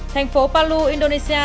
thành phố palu indonesia